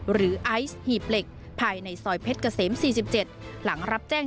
หรือไอซ์หีบเหล็กภายในซอยเพชรเกษมสี่สิบเจ็ด